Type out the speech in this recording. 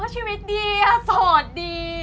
ชีวิตดีโสดดี